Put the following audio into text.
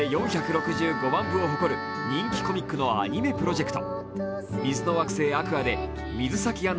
累計４６５万部を誇る人気コミックのアニメプロジェクト